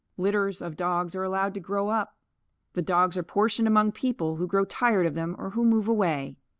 Litters of dogs are allowed to grow up. The dogs are portioned among people who grow tired of them or who move away.